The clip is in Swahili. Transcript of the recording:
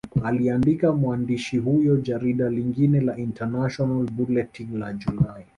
Aliandika mwandishi huyo Jarida jingine la International Bulletin la Julai